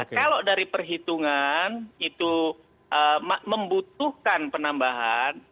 kalau dari perhitungan itu membutuhkan penambahan